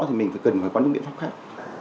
thì mình phải cần phải quan trọng biện pháp khác